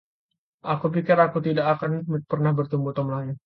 Aku pikir aku tidak akan pernah bertemu Tom lagi.